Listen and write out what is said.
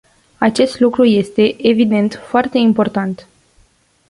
Acest lucru este, evident, foarte important.